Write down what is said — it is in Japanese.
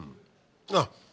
あっ！